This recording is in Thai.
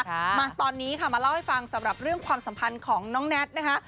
มาตอนนี้ค่ะมาเล่าให้ฟังสำหรับเรื่องความสัมพันธ์ของน้องแน็ตนะคะ